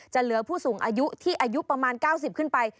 เหลือผู้สูงอายุที่อายุประมาณ๙๐ขึ้นไป